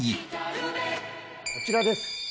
こちらです。